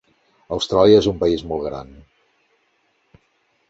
Austràlia és un país molt gran.